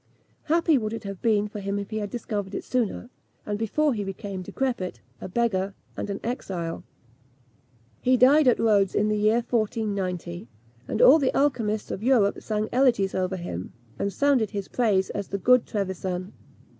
Happy would it have been for him if he had discovered it sooner, and before he became decrepit, a beggar, and an exile! He died at Rhodes, in the year 1490, and all the alchymists of Europe sang elegies over him, and sounded his praise as the "good Trevisan."